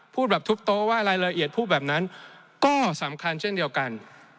พูดแบบทุบโต๊ะว่ารายละเอียดพูดแบบนั้นก็สำคัญเช่นเดียวกัน